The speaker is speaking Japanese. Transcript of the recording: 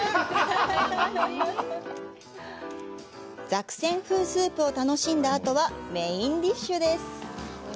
ザクセン風スープを楽しんだあとは、メインディッシュです。